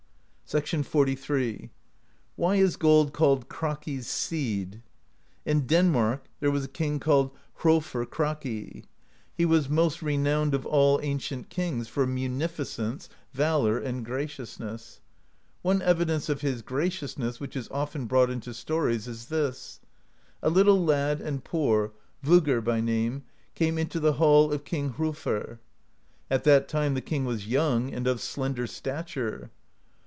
] XLIII. "Why is gold called Kraki's Seed? In Denmark there was a king called Hrolfr Kraki : he was most re lyo PROSE EDDA nowned of all ancient kings for munificence, valor, and graciousness. One evidence of his graciousness which is often brought into stories is this: A little lad and poor, Voggr by name, came into the hall of King Hrolfr. At that time the king was young, and of slender stature.